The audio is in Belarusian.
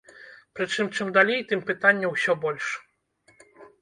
Прычым чым далей, тым пытанняў усё больш.